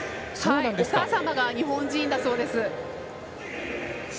お母様が日本人だそうです。